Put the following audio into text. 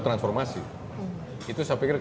transformasi itu saya pikir